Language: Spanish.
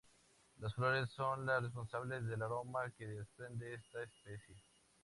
Las flores son las responsables del aroma que desprende esta especie.